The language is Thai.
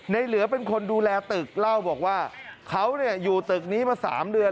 เหลือเป็นคนดูแลตึกเล่าบอกว่าเขาอยู่ตึกนี้มา๓เดือน